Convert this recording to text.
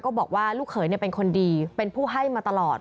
บอกว่าลูกเขยเป็นคนดีเป็นผู้ให้มาตลอด